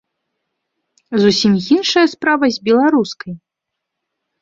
Зусім іншая справа з беларускай.